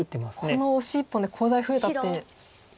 このオシ１本でコウ材増えたっていうことですか？